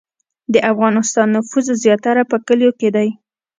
د افغانستان نفوس زیاتره په کلیو کې دی